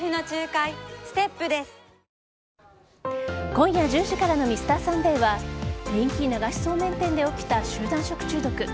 今夜１０時からの「Ｍｒ．サンデー」は人気流しそうめん店で起きた集団食中毒。